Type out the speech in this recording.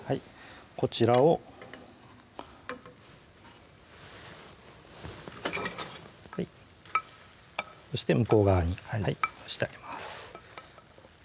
こちらをそして向こう側に押してあげます